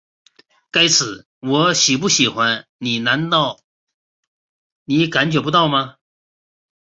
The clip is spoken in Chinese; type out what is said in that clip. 该死，我喜不喜欢你难道你感觉不到吗?